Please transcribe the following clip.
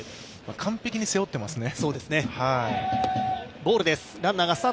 完璧に背負ってますね。